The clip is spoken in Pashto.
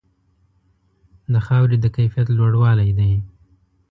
د خاورې د کیفیت لوړوالې دی.